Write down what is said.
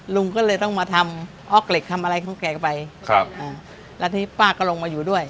ลุงก็เลยต้องมาทำออกเหล็กทำอะไรของแกไปครับอ่าแล้วที่ป้าก็ลงมาอยู่ด้วย